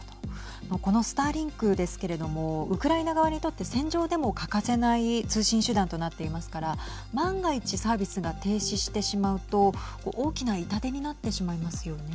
このスターリンクですけれどもウクライナ側にとって戦場でも欠かせない通信手段となっていますから万が一サービスが停止してしまうと大きな痛手になってしまいますよね。